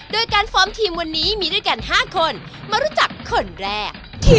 โดยการฟอร์มทีมวันนี้มีด้วยกัน๕คนมารู้จักคนแรก